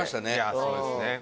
そうですね。